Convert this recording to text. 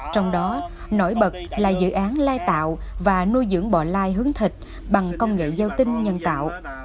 trong đó nổi bật là dự án lai tạo và nuôi dưỡng bò lai hướng thịt bằng công nghệ giao tinh nhân tạo